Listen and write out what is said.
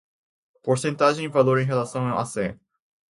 Porcentagem: Valor em relação a cem.